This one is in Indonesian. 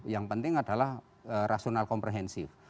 yang penting adalah rasional komprehensif